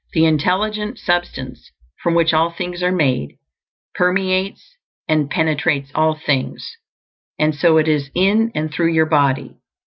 The Intelligent Substance, from which all things are made, permeates and penetrates all things; and so it is in and through your body.